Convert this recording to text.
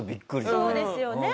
そうですよね。